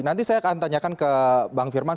nanti saya akan tanyakan ke bang firman